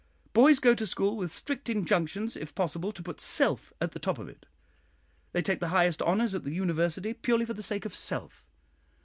Boys go to school with strict injunctions if possible to put self at the top of it. They take the highest honours at the university purely for the sake of self.